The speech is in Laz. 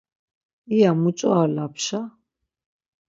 İya muç̌o ar lapşa?